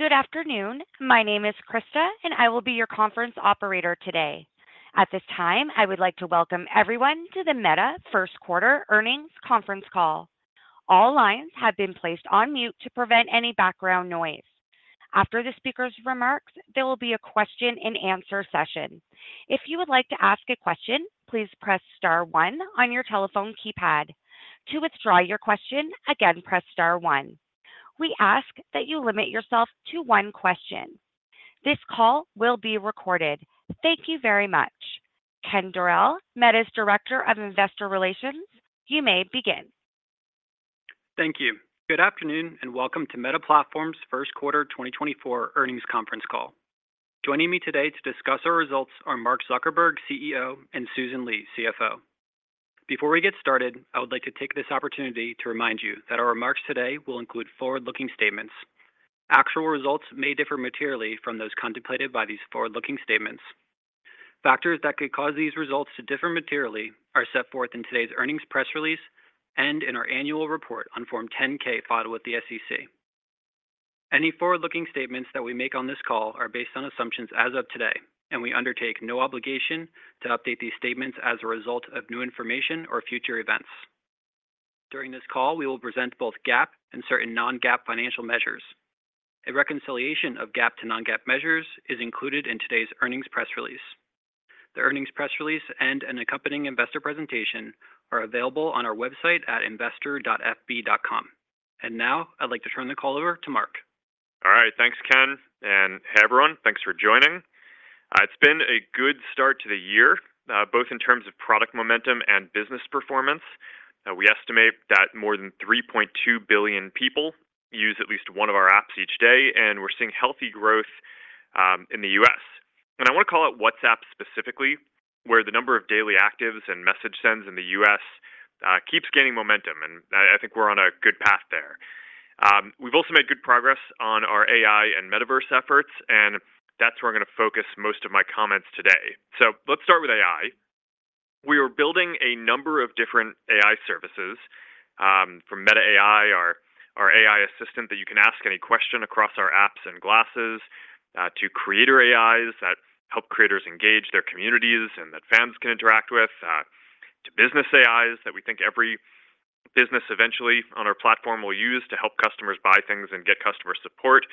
Good afternoon. My name is Krista, and I will be your conference operator today. At this time, I would like to welcome everyone to the Meta First-Quarter Earnings Conference Call. All lines have been placed on mute to prevent any background noise. After the speaker's remarks, there will be a question-and-answer session. If you would like to ask a question, please press star one on your telephone keypad. To withdraw your question, again press star one. We ask that you limit yourself to one question. This call will be recorded. Thank you very much. Ken Dorell, Meta's Director of Investor Relations, you may begin. Thank you. Good afternoon and welcome to Meta Platforms' first-quarter 2024 earnings conference call. Joining me today to discuss our results are Mark Zuckerberg, CEO, and Susan Li, CFO. Before we get started, I would like to take this opportunity to remind you that our remarks today will include forward-looking statements. Actual results may differ materially from those contemplated by these forward-looking statements. Factors that could cause these results to differ materially are set forth in today's earnings press release and in our annual report on Form 10-K filed with the SEC. Any forward-looking statements that we make on this call are based on assumptions as of today, and we undertake no obligation to update these statements as a result of new information or future events. During this call, we will present both GAAP and certain non-GAAP financial measures. A reconciliation of GAAP to non-GAAP measures is included in today's earnings press release. The earnings press release and an accompanying investor presentation are available on our website at investor.fb.com. Now I'd like to turn the call over to Mark. All right. Thanks, Ken. Hey, everyone, thanks for joining. It's been a good start to the year, both in terms of product momentum and business performance. We estimate that more than 3.2 billion people use at least one of our apps each day, and we're seeing healthy growth in the U.S. I want to call it WhatsApp specifically, where the number of daily actives and message sends in the U.S. keeps gaining momentum, and I think we're on a good path there. We've also made good progress on our AI and metaverse efforts, and that's where I'm going to focus most of my comments today. Let's start with AI. We are building a number of different AI services. From Meta AI, our AI assistant that you can ask any question across our apps and glasses, to creator AIs that help creators engage their communities and that fans can interact with, to business AIs that we think every business eventually on our platform will use to help customers buy things and get customer support,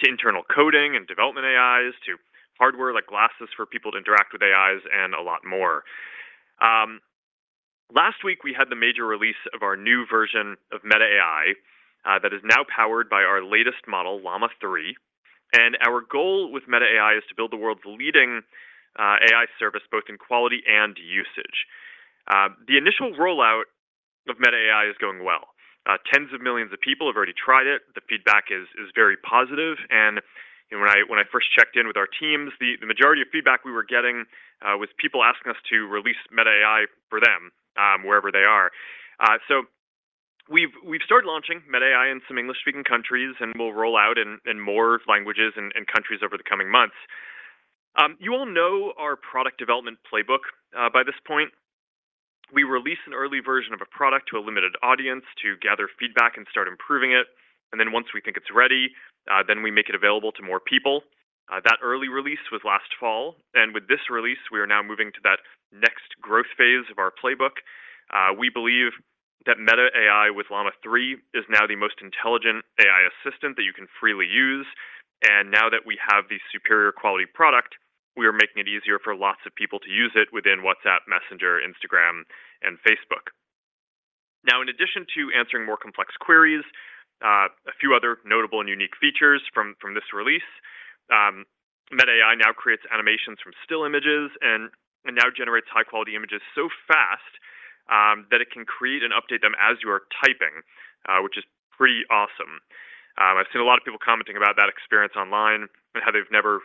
to internal coding and development AIs, to hardware like glasses for people to interact with AIs, and a lot more. Last week, we had the major release of our new version of Meta AI that is now powered by our latest model, Llama 3. Our goal with Meta AI is to build the world's leading AI service, both in quality and usage. The initial rollout of Meta AI is going well. Tens of millions of people have already tried it. The feedback is very positive. When I first checked in with our teams, the majority of feedback we were getting was people asking us to release Meta AI for them wherever they are. So we've started launching Meta AI in some English-speaking countries, and we'll roll out in more languages and countries over the coming months. You all know our product development playbook by this point. We release an early version of a product to a limited audience to gather feedback and start improving it. Then once we think it's ready, then we make it available to more people. That early release was last fall. With this release, we are now moving to that next growth phase of our playbook. We believe that Meta AI with Llama 3 is now the most intelligent AI assistant that you can freely use. And now that we have the superior quality product, we are making it easier for lots of people to use it within WhatsApp, Messenger, Instagram, and Facebook. Now, in addition to answering more complex queries, a few other notable and unique features from this release: Meta AI now creates animations from still images and now generates high-quality images so fast that it can create and update them as you are typing, which is pretty awesome. I've seen a lot of people commenting about that experience online and how they've never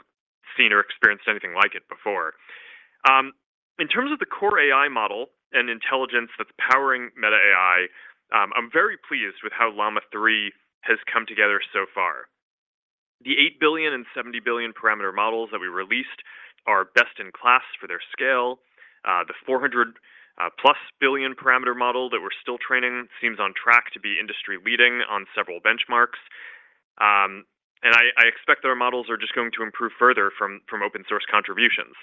seen or experienced anything like it before. In terms of the core AI model and intelligence that's powering Meta AI, I'm very pleased with how Llama 3 has come together so far. The 8 billion and 70 billion parameter models that we released are best in class for their scale. The 400+ billion parameter model that we're still training seems on track to be industry-leading on several benchmarks. I expect that our models are just going to improve further from open-source contributions.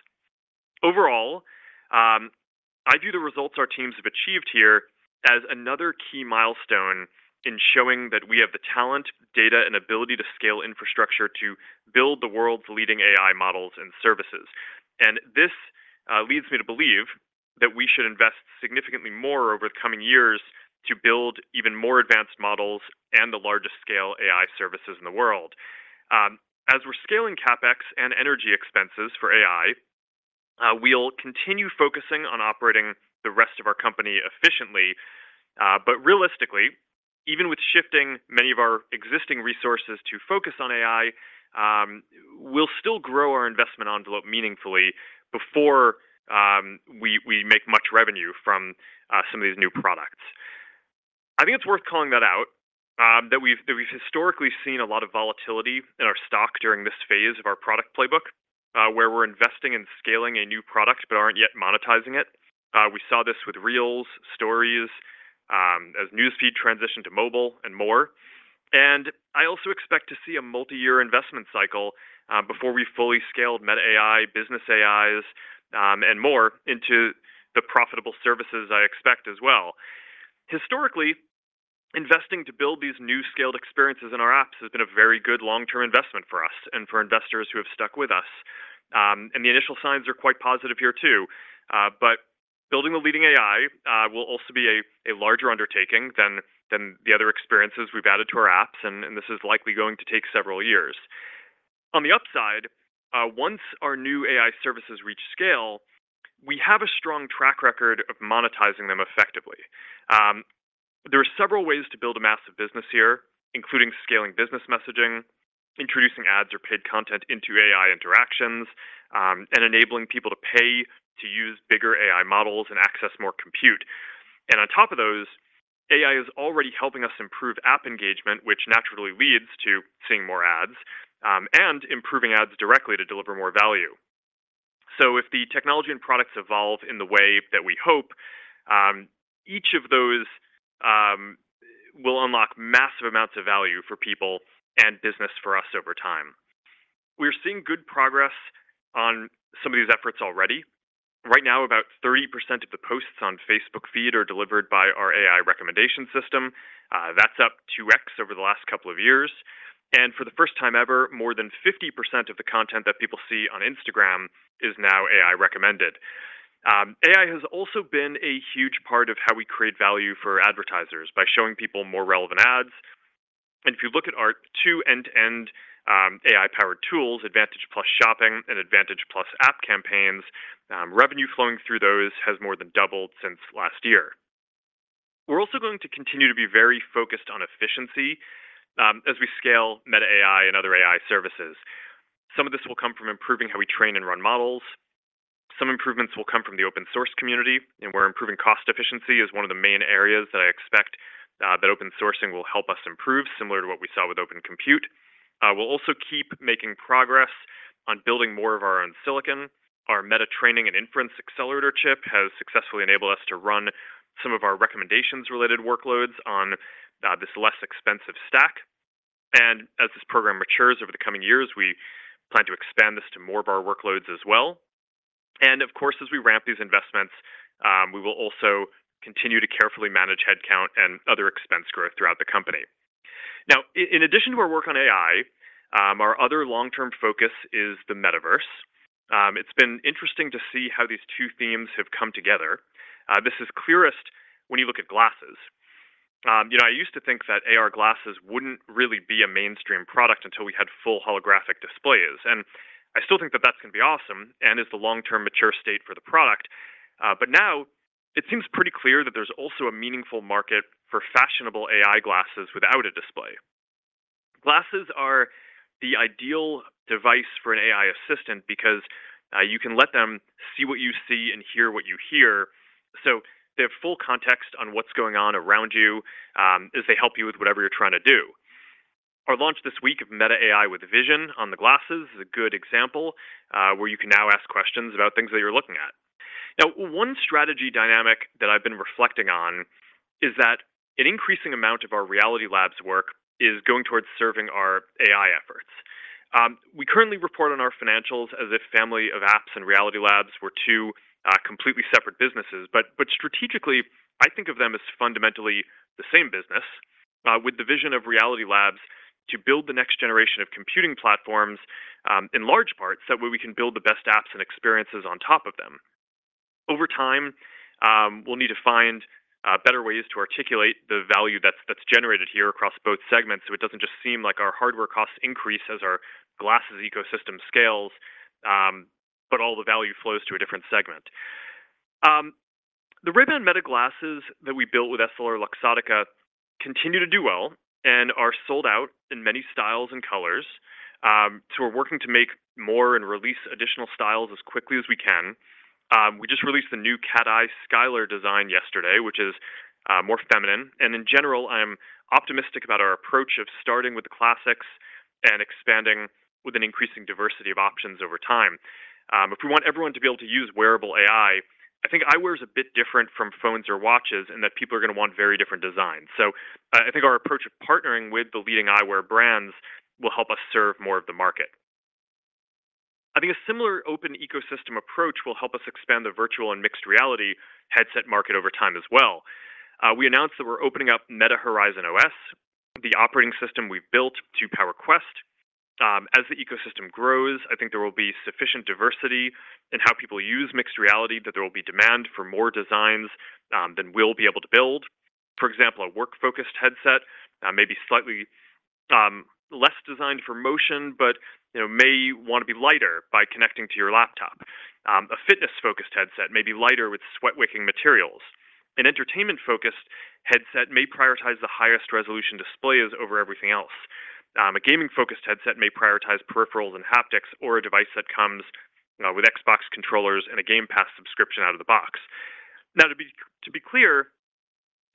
Overall, I view the results our teams have achieved here as another key milestone in showing that we have the talent, data, and ability to scale infrastructure to build the world's leading AI models and services. This leads me to believe that we should invest significantly more over the coming years to build even more advanced models and the largest-scale AI services in the world. As we're scaling CapEx and energy expenses for AI, we'll continue focusing on operating the rest of our company efficiently. But realistically, even with shifting many of our existing resources to focus on AI, we'll still grow our investment envelope meaningfully before we make much revenue from some of these new products. I think it's worth calling that out, that we've historically seen a lot of volatility in our stock during this phase of our product playbook, where we're investing in scaling a new product but aren't yet monetizing it. We saw this with Reels, Stories, as News Feed transitioned to mobile and more. I also expect to see a multi-year investment cycle before we fully scaled Meta AI, business AIs, and more into the profitable services I expect as well. Historically, investing to build these new scaled experiences in our apps has been a very good long-term investment for us and for investors who have stuck with us. The initial signs are quite positive here too. But building the leading AI will also be a larger undertaking than the other experiences we've added to our apps, and this is likely going to take several years. On the upside, once our new AI services reach scale, we have a strong track record of monetizing them effectively. There are several ways to build a massive business here, including scaling business messaging, introducing ads or paid content into AI interactions, and enabling people to pay to use bigger AI models and access more compute. And on top of those, AI is already helping us improve app engagement, which naturally leads to seeing more ads, and improving ads directly to deliver more value. So if the technology and products evolve in the way that we hope, each of those will unlock massive amounts of value for people and business for us over time. We are seeing good progress on some of these efforts already. Right now, about 30% of the posts on Facebook Feed are delivered by our AI recommendation system. That's up 2x over the last couple of years. And for the first time ever, more than 50% of the content that people see on Instagram is now AI-recommended. AI has also been a huge part of how we create value for advertisers by showing people more relevant ads. And if you look at our two end-to-end AI-powered tools, Advantage+ Shopping and Advantage+ App Campaigns, revenue flowing through those has more than doubled since last year. We're also going to continue to be very focused on efficiency as we scale Meta AI and other AI services. Some of this will come from improving how we train and run models. Some improvements will come from the open-source community, and we're improving cost efficiency as one of the main areas that I expect that open sourcing will help us improve, similar to what we saw with Open Compute. We'll also keep making progress on building more of our own silicon. Our Meta Training and Inference Accelerator chip has successfully enabled us to run some of our recommendations-related workloads on this less expensive stack. And as this program matures over the coming years, we plan to expand this to more of our workloads as well. And of course, as we ramp these investments, we will also continue to carefully manage headcount and other expense growth throughout the company. Now, in addition to our work on AI, our other long-term focus is the metaverse. It's been interesting to see how these two themes have come together. This is clearest when you look at glasses. I used to think that AR glasses wouldn't really be a mainstream product until we had full holographic displays. I still think that that's going to be awesome and is the long-term mature state for the product. Now, it seems pretty clear that there's also a meaningful market for fashionable AI glasses without a display. Glasses are the ideal device for an AI assistant because you can let them see what you see and hear what you hear. They have full context on what's going on around you as they help you with whatever you're trying to do. Our launch this week of Meta AI with Vision on the glasses is a good example where you can now ask questions about things that you're looking at. Now, one strategy dynamic that I've been reflecting on is that an increasing amount of our Reality Labs work is going towards serving our AI efforts. We currently report on our financials as if Family of Apps and Reality Labs were two completely separate businesses. But strategically, I think of them as fundamentally the same business, with the vision of Reality Labs to build the next generation of computing platforms in large parts so that we can build the best apps and experiences on top of them. Over time, we'll need to find better ways to articulate the value that's generated here across both segments so it doesn't just seem like our hardware costs increase as our glasses ecosystem scales, but all the value flows to a different segment. The Ray-Ban Meta glasses that we built with EssilorLuxottica continue to do well and are sold out in many styles and colors. So we're working to make more and release additional styles as quickly as we can. We just released the new cat-eye Skyler design yesterday, which is more feminine. And in general, I am optimistic about our approach of starting with the classics and expanding with an increasing diversity of options over time. If we want everyone to be able to use wearable AI, I think eyewear is a bit different from phones or watches in that people are going to want very different designs. So I think our approach of partnering with the leading eyewear brands will help us serve more of the market. I think a similar open ecosystem approach will help us expand the virtual and mixed reality headset market over time as well. We announced that we're opening up Meta Horizon OS, the operating system we've built to power Quest. As the ecosystem grows, I think there will be sufficient diversity in how people use mixed reality that there will be demand for more designs than we'll be able to build. For example, a work-focused headset may be slightly less designed for motion but may want to be lighter by connecting to your laptop. A fitness-focused headset may be lighter with sweat-wicking materials. An entertainment-focused headset may prioritize the highest resolution displays over everything else. A gaming-focused headset may prioritize peripherals and haptics or a device that comes with Xbox controllers and a Game Pass subscription out of the box. Now, to be clear,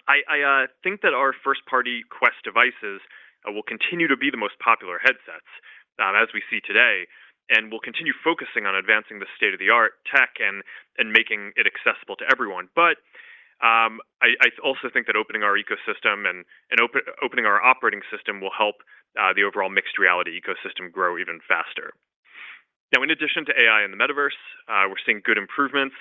I think that our first-party Quest devices will continue to be the most popular headsets as we see today and will continue focusing on advancing the state-of-the-art tech and making it accessible to everyone. But I also think that opening our ecosystem and opening our operating system will help the overall mixed reality ecosystem grow even faster. Now, in addition to AI in the metaverse, we're seeing good improvements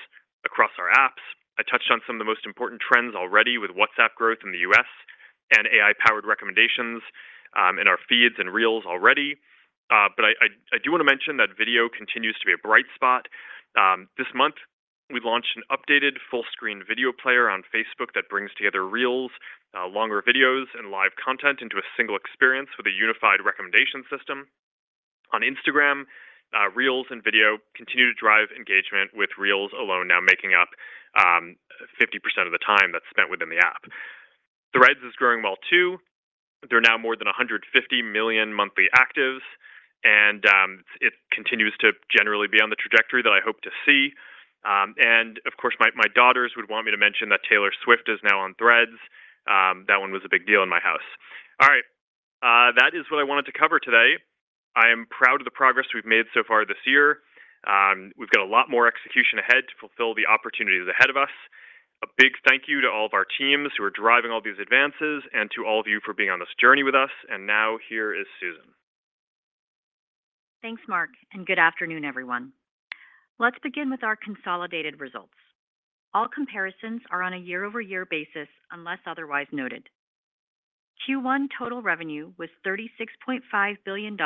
across our apps. I touched on some of the most important trends already with WhatsApp growth in the U.S. and AI-powered recommendations in our Feeds and Reels already. But I do want to mention that video continues to be a bright spot. This month, we launched an updated full-screen video player on Facebook that brings together Reels, longer videos, and live content into a single experience with a unified recommendation system. On Instagram, Reels and video continue to drive engagement with Reels alone now making up 50% of the time that's spent within the app. Threads is growing well too. They're now more than 150 million monthly actives, and it continues to generally be on the trajectory that I hope to see. And of course, my daughters would want me to mention that Taylor Swift is now on Threads. That one was a big deal in my house. All right. That is what I wanted to cover today. I am proud of the progress we've made so far this year. We've got a lot more execution ahead to fulfill the opportunities ahead of us. A big thank you to all of our teams who are driving all these advances and to all of you for being on this journey with us. Now here is Susan. Thanks, Mark, and good afternoon, everyone. Let's begin with our consolidated results. All comparisons are on a year-over-year basis unless otherwise noted. Q1 total revenue was $36.5 billion,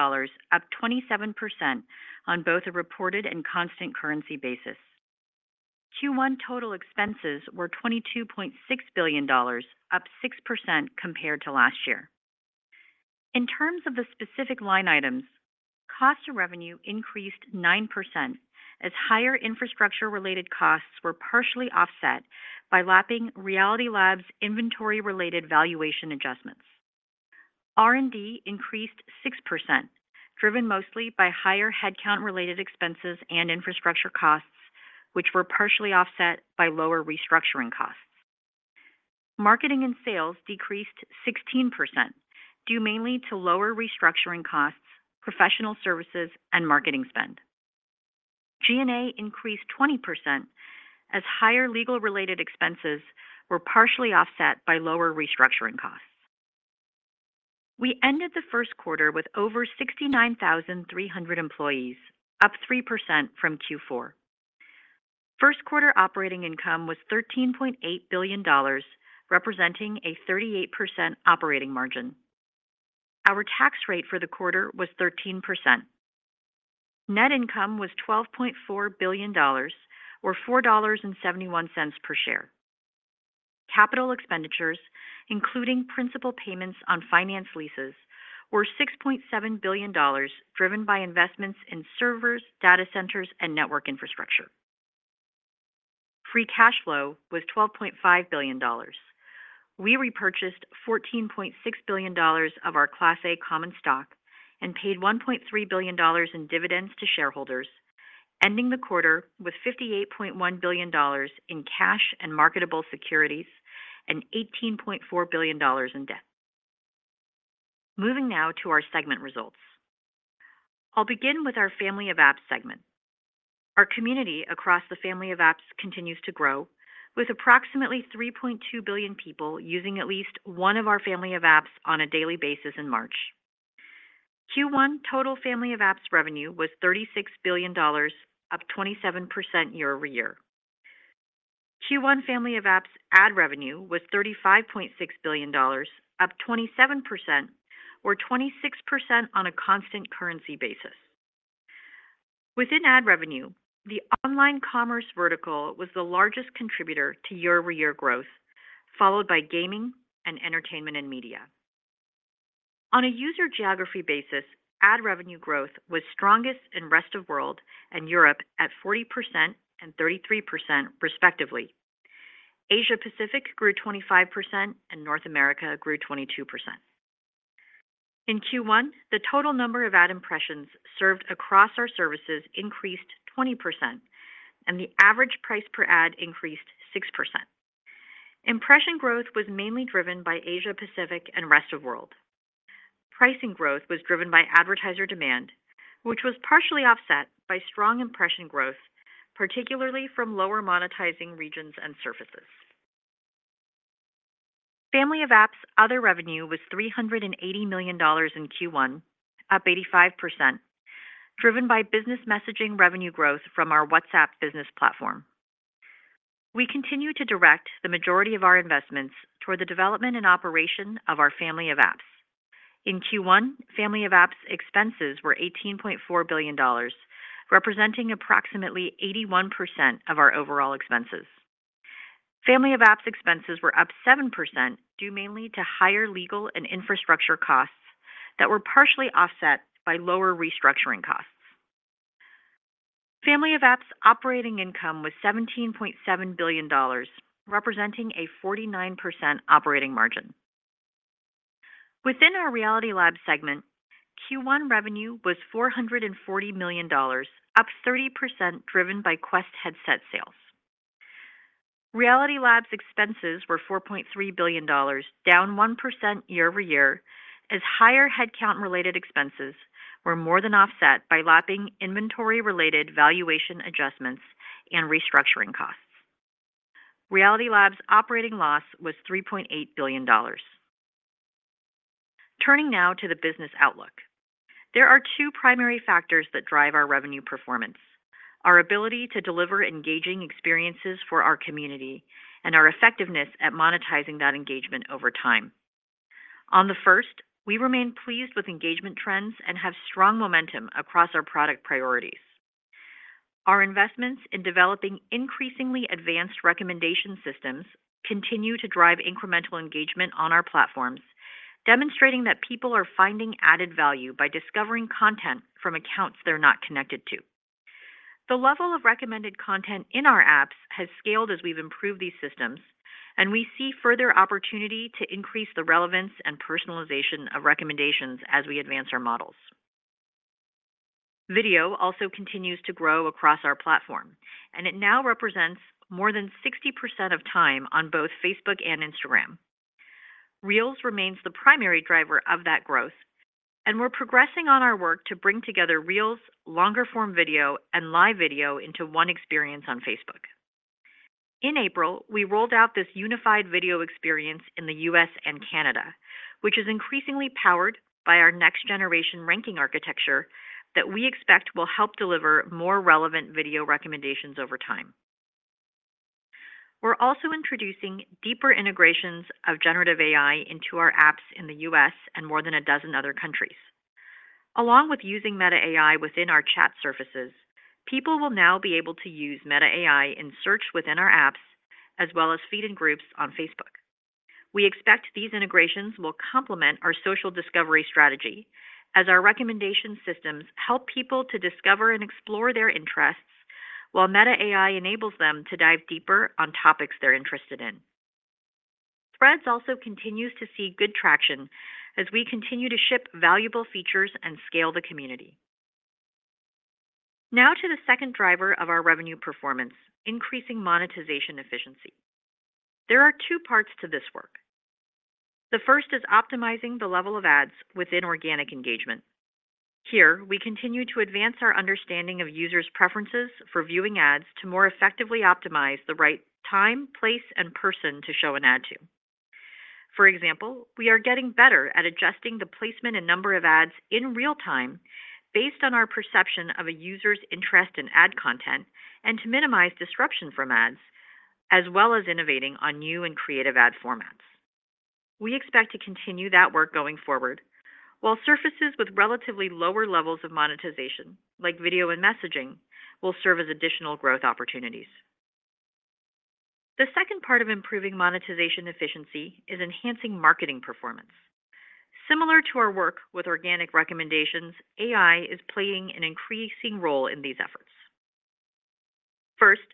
up 27% on both a reported and constant currency basis. Q1 total expenses were $22.6 billion, up 6% compared to last year. In terms of the specific line items, cost of revenue increased 9% as higher infrastructure-related costs were partially offset by lapping Reality Labs' inventory-related valuation adjustments. R&D increased 6%, driven mostly by higher headcount-related expenses and infrastructure costs, which were partially offset by lower restructuring costs. Marketing and sales decreased 16%, due mainly to lower restructuring costs, professional services, and marketing spend. G&A increased 20% as higher legal-related expenses were partially offset by lower restructuring costs. We ended the first quarter with over 69,300 employees, up 3% from Q4. First quarter operating income was $13.8 billion, representing a 38% operating margin. Our tax rate for the quarter was 13%. Net income was $12.4 billion, or $4.71 per share. Capital expenditures, including principal payments on finance leases, were $6.7 billion, driven by investments in servers, data centers, and network infrastructure. Free cash flow was $12.5 billion. We repurchased $14.6 billion of our Class A common stock and paid $1.3 billion in dividends to shareholders, ending the quarter with $58.1 billion in cash and marketable securities and $18.4 billion in debt. Moving now to our segment results. I'll begin with our Family of Apps segment. Our community across the Family of Apps continues to grow, with approximately 3.2 billion people using at least one of our Family of Apps on a daily basis in March. Q1 total Family of Apps revenue was $36 billion, up 27% year-over-year. Q1 Family of Apps ad revenue was $35.6 billion, up 27%, or 26% on a constant currency basis. Within ad revenue, the online commerce vertical was the largest contributor to year-over-year growth, followed by gaming and entertainment and media. On a user geography basis, ad revenue growth was strongest in the Rest of World and Europe at 40% and 33%, respectively. Asia-Pacific grew 25% and North America grew 22%. In Q1, the total number of ad impressions served across our services increased 20%, and the average price per ad increased 6%. Impression growth was mainly driven by Asia-Pacific and Rest of World. Pricing growth was driven by advertiser demand, which was partially offset by strong impression growth, particularly from lower monetizing regions and surfaces. Family of Apps other revenue was $380 million in Q1, up 85%, driven by business messaging revenue growth from our WhatsApp business platform. We continue to direct the majority of our investments toward the development and operation of our Family of Apps. In Q1, Family of Apps expenses were $18.4 billion, representing approximately 81% of our overall expenses. Family of Apps expenses were up 7% due mainly to higher legal and infrastructure costs that were partially offset by lower restructuring costs. Family of Apps operating income was $17.7 billion, representing a 49% operating margin. Within our Reality Labs segment, Q1 revenue was $440 million, up 30% driven by Quest headset sales. Reality Labs expenses were $4.3 billion, down 1% year-over-year as higher headcount-related expenses were more than offset by lapping inventory-related valuation adjustments and restructuring costs. Reality Labs operating loss was $3.8 billion. Turning now to the business outlook. There are two primary factors that drive our revenue performance: our ability to deliver engaging experiences for our community and our effectiveness at monetizing that engagement over time. On the first, we remain pleased with engagement trends and have strong momentum across our product priorities. Our investments in developing increasingly advanced recommendation systems continue to drive incremental engagement on our platforms, demonstrating that people are finding added value by discovering content from accounts they're not connected to. The level of recommended content in our apps has scaled as we've improved these systems, and we see further opportunity to increase the relevance and personalization of recommendations as we advance our models. Video also continues to grow across our platform, and it now represents more than 60% of time on both Facebook and Instagram. Reels remains the primary driver of that growth, and we're progressing on our work to bring together Reels, longer-form video, and live video into one experience on Facebook. In April, we rolled out this unified video experience in the U.S. and Canada, which is increasingly powered by our next-generation ranking architecture that we expect will help deliver more relevant video recommendations over time. We're also introducing deeper integrations of generative AI into our apps in the U.S. and more than a dozen other countries. Along with using Meta AI within our chat surfaces, people will now be able to use Meta AI in search within our apps as well as Feed and Groups on Facebook. We expect these integrations will complement our social discovery strategy as our recommendation systems help people to discover and explore their interests while Meta AI enables them to dive deeper on topics they're interested in. Threads also continues to see good traction as we continue to ship valuable features and scale the community. Now to the second driver of our revenue performance: increasing monetization efficiency. There are two parts to this work. The first is optimizing the level of ads within organic engagement. Here, we continue to advance our understanding of users' preferences for viewing ads to more effectively optimize the right time, place, and person to show an ad to. For example, we are getting better at adjusting the placement and number of ads in real time based on our perception of a user's interest in ad content and to minimize disruption from ads, as well as innovating on new and creative ad formats. We expect to continue that work going forward while surfaces with relatively lower levels of monetization, like video and messaging, will serve as additional growth opportunities. The second part of improving monetization efficiency is enhancing marketing performance. Similar to our work with organic recommendations, AI is playing an increasing role in these efforts. First,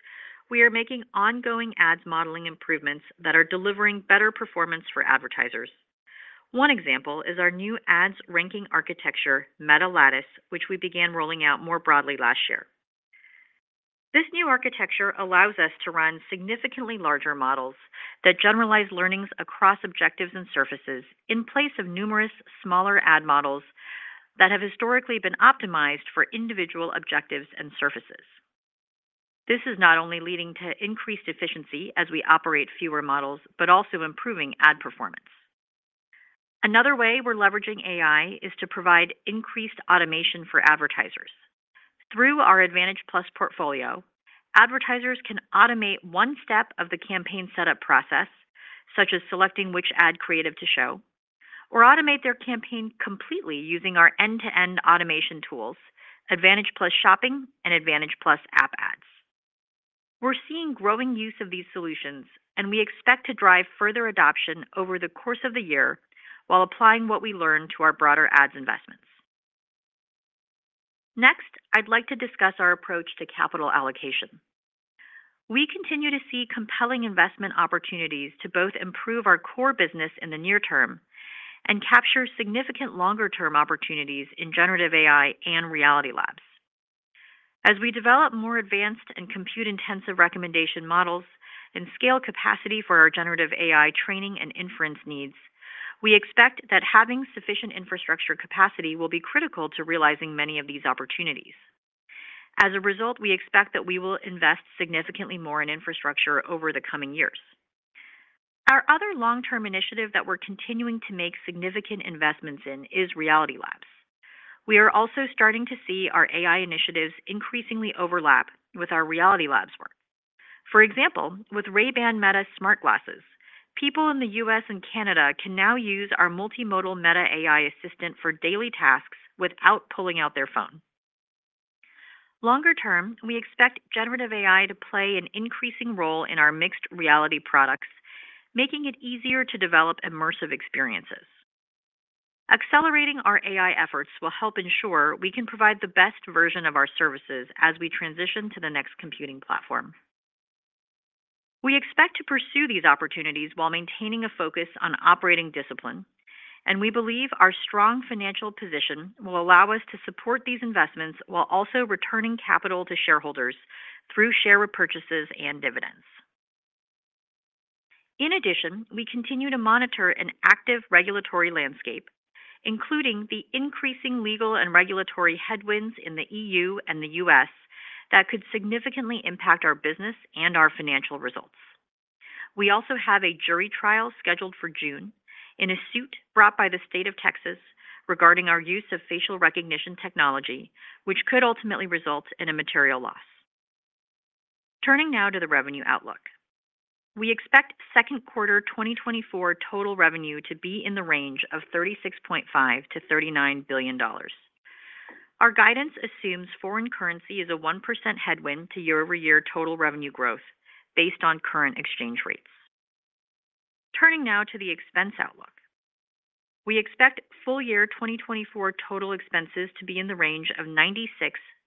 we are making ongoing ads modeling improvements that are delivering better performance for advertisers. One example is our new ads ranking architecture, Meta Lattice, which we began rolling out more broadly last year. This new architecture allows us to run significantly larger models that generalize learnings across objectives and surfaces in place of numerous smaller ad models that have historically been optimized for individual objectives and surfaces. This is not only leading to increased efficiency as we operate fewer models but also improving ad performance. Another way we're leveraging AI is to provide increased automation for advertisers. Through our Advantage+ portfolio, advertisers can automate one step of the campaign setup process, such as selecting which ad creative to show, or automate their campaign completely using our end-to-end automation tools, Advantage+ Shopping and Advantage+ App Campaigns. We're seeing growing use of these solutions, and we expect to drive further adoption over the course of the year while applying what we learn to our broader ads investments. Next, I'd like to discuss our approach to capital allocation. We continue to see compelling investment opportunities to both improve our core business in the near term and capture significant longer-term opportunities in generative AI and Reality Labs. As we develop more advanced and compute-intensive recommendation models and scale capacity for our generative AI training and inference needs, we expect that having sufficient infrastructure capacity will be critical to realizing many of these opportunities. As a result, we expect that we will invest significantly more in infrastructure over the coming years. Our other long-term initiative that we're continuing to make significant investments in is Reality Labs. We are also starting to see our AI initiatives increasingly overlap with our Reality Labs work. For example, with Ray-Ban Meta Smart Glasses, people in the U.S. and Canada can now use our multimodal Meta AI assistant for daily tasks without pulling out their phone. Longer term, we expect generative AI to play an increasing role in our mixed reality products, making it easier to develop immersive experiences. Accelerating our AI efforts will help ensure we can provide the best version of our services as we transition to the next computing platform. We expect to pursue these opportunities while maintaining a focus on operating discipline, and we believe our strong financial position will allow us to support these investments while also returning capital to shareholders through share repurchases and dividends. In addition, we continue to monitor an active regulatory landscape, including the increasing legal and regulatory headwinds in the EU and the US that could significantly impact our business and our financial results. We also have a jury trial scheduled for June in a suit brought by the state of Texas regarding our use of facial recognition technology, which could ultimately result in a material loss. Turning now to the revenue outlook. We expect second quarter 2024 total revenue to be in the range of $36.5 billion-$39 billion. Our guidance assumes foreign currency is a 1% headwind to year-over-year total revenue growth based on current exchange rates. Turning now to the expense outlook. We expect full year 2024 total expenses to be in the range of $96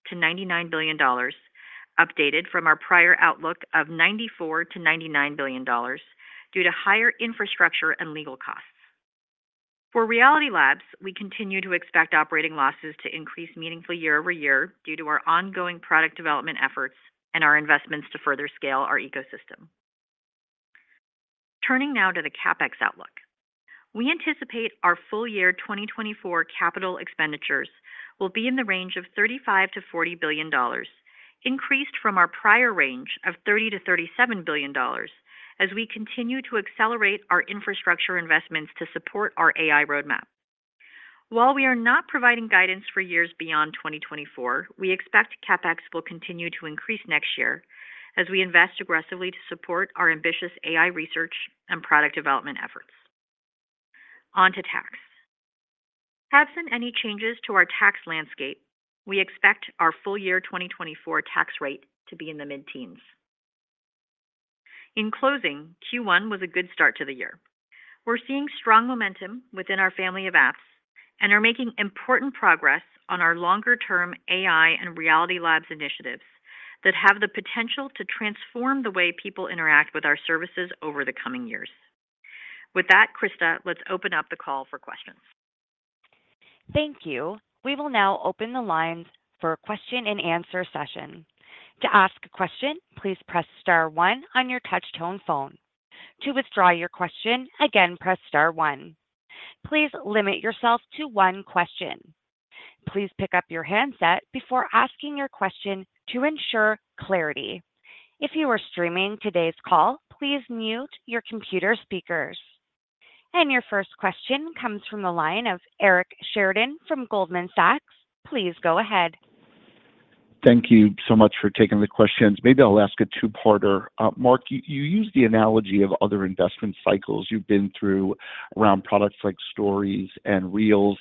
billion-$99 billion, updated from our prior outlook of $94 billion-$99 billion due to higher infrastructure and legal costs. For Reality Labs, we continue to expect operating losses to increase meaningfully year-over-year due to our ongoing product development efforts and our investments to further scale our ecosystem. Turning now to the CapEx outlook. We anticipate our full year 2024 capital expenditures will be in the range of $35 billion-$40 billion, increased from our prior range of $30 billion-$37 billion as we continue to accelerate our infrastructure investments to support our AI roadmap. While we are not providing guidance for years beyond 2024, we expect CapEx will continue to increase next year as we invest aggressively to support our ambitious AI research and product development efforts. On to tax. Absent any changes to our tax landscape, we expect our full year 2024 tax rate to be in the mid-teens. In closing, Q1 was a good start to the year. We're seeing strong momentum within our Family of Apps and are making important progress on our longer-term AI and Reality Labs initiatives that have the potential to transform the way people interact with our services over the coming years. With that, Krista, let's open up the call for questions. Thank you. We will now open the lines for a question-and-answer session. To ask a question, please press star 1 on your touch-tone phone. To withdraw your question, again press star one. Please limit yourself to one question. Please pick up your handset before asking your question to ensure clarity. If you are streaming today's call, please mute your computer speakers. Your first question comes from the line of Eric Sheridan from Goldman Sachs. Please go ahead. Thank you so much for taking the questions. Maybe I'll ask a two-parter. Mark, you used the analogy of other investment cycles you've been through around products like Stories and Reels.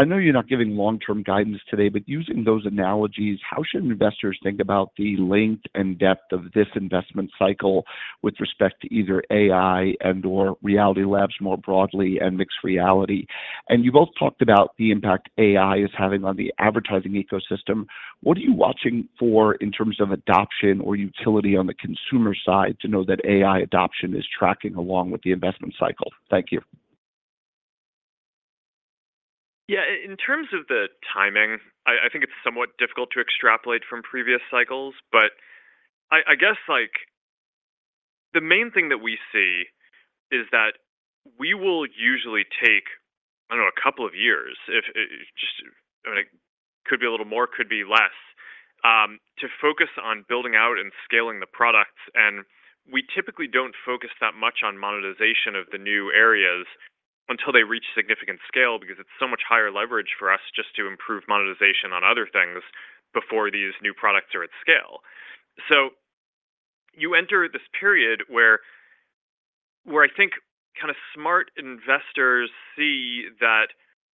I know you're not giving long-term guidance today, but using those analogies, how should investors think about the length and depth of this investment cycle with respect to either AI and/or Reality Labs more broadly and mixed reality? And you both talked about the impact AI is having on the advertising ecosystem. What are you watching for in terms of adoption or utility on the consumer side to know that AI adoption is tracking along with the investment cycle? Thank you. Yeah. In terms of the timing, I think it's somewhat difficult to extrapolate from previous cycles, but I guess the main thing that we see is that we will usually take, I don't know, a couple of years. I mean, it could be a little more, could be less, to focus on building out and scaling the products. We typically don't focus that much on monetization of the new areas until they reach significant scale because it's so much higher leverage for us just to improve monetization on other things before these new products are at scale. You enter this period where I think kind of smart investors see that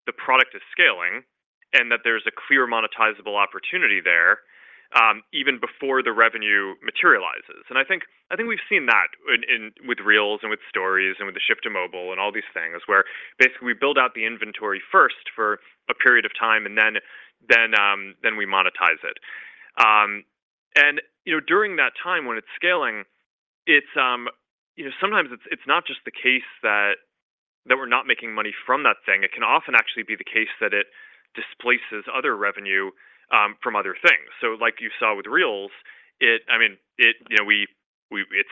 the product is scaling and that there's a clear monetizable opportunity there even before the revenue materializes. I think we've seen that with Reels and with Stories and with the shift to mobile and all these things where basically we build out the inventory first for a period of time, and then we monetize it. During that time when it's scaling, sometimes it's not just the case that we're not making money from that thing. It can often actually be the case that it displaces other revenue from other things. So like you saw with Reels, I mean, it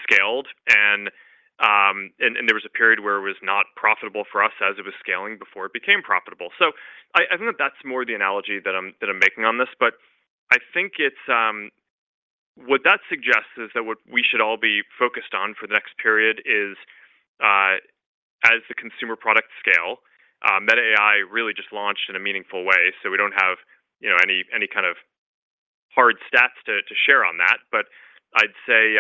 scaled, and there was a period where it was not profitable for us as it was scaling before it became profitable. So I think that that's more the analogy that I'm making on this. But I think what that suggests is that what we should all be focused on for the next period is as the consumer products scale, Meta AI really just launched in a meaningful way. So we don't have any kind of hard stats to share on that. But I'd say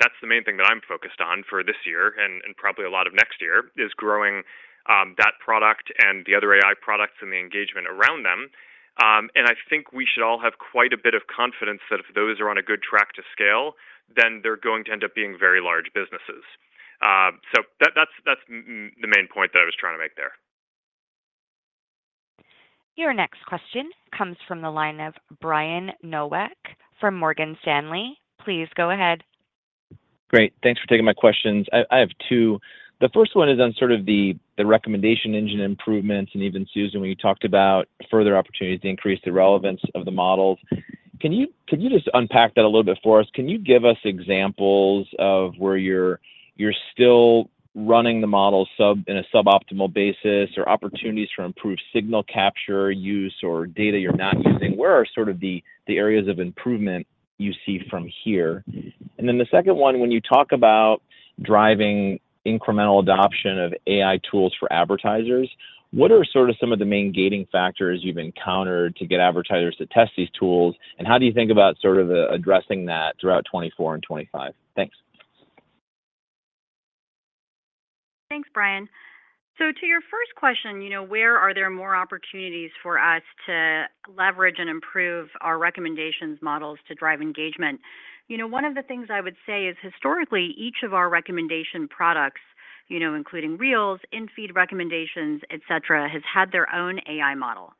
that's the main thing that I'm focused on for this year and probably a lot of next year is growing that product and the other AI products and the engagement around them. And I think we should all have quite a bit of confidence that if those are on a good track to scale, then they're going to end up being very large businesses. So that's the main point that I was trying to make there. Your next question comes from the line of Brian Nowak from Morgan Stanley. Please go ahead. Great. Thanks for taking my questions. I have two. The first one is on sort of the recommendation engine improvements. Even, Susan, when you talked about further opportunities to increase the relevance of the models, can you just unpack that a little bit for us? Can you give us examples of where you're still running the models in a suboptimal basis or opportunities for improved signal capture use or data you're not using? Where are sort of the areas of improvement you see from here? And then the second one, when you talk about driving incremental adoption of AI tools for advertisers, what are sort of some of the main gating factors you've encountered to get advertisers to test these tools? And how do you think about sort of addressing that throughout 2024 and 2025? Thanks. Thanks, Brian. To your first question, where are there more opportunities for us to leverage and improve our recommendations models to drive engagement? One of the things I would say is historically, each of our recommendation products, including Reels, InFeed recommendations, etc., has had their own AI model.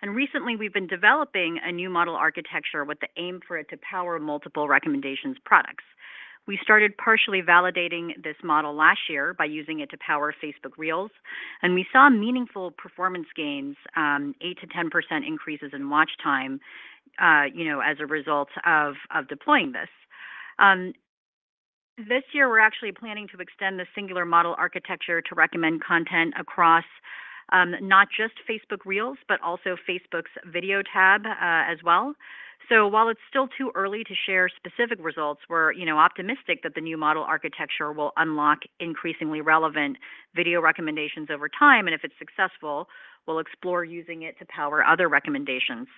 And recently, we've been developing a new model architecture with the aim for it to power multiple recommendations products. We started partially validating this model last year by using it to power Facebook Reels, and we saw meaningful performance gains, 8%-10% increases in watch time as a result of deploying this. This year, we're actually planning to extend the singular model architecture to recommend content across not just Facebook Reels but also Facebook's Video tab as well. While it's still too early to share specific results, we're optimistic that the new model architecture will unlock increasingly relevant video recommendations over time. If it's successful, we'll explore using it to power other recommendations.